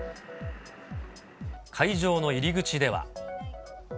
会場の入り口では。